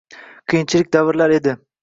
Qiyinchilik davrlar edi.